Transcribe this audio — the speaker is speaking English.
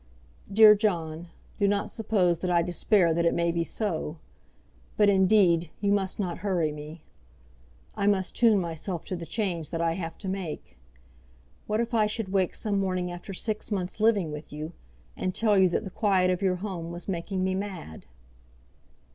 Dear John, do not suppose that I despair that it may be so; but, indeed, you must not hurry me. I must tune myself to the change that I have to make. What if I should wake some morning after six months living with you, and tell you that the quiet of your home was making me mad?